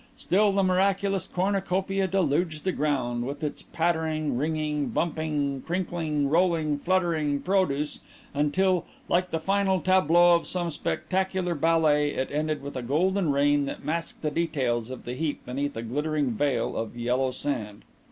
Still the miraculous cornucopia deluged the ground, with its pattering, ringing, bumping, crinkling, rolling, fluttering produce until, like the final tableau of some spectacular ballet, it ended with a golden rain that masked the details of the heap beneath a glittering veil of yellow sand.